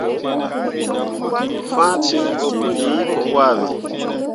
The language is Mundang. Fãa ciŋ ɓo puli pu wahbe.